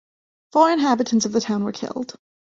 Four inhabitants of the town were killed.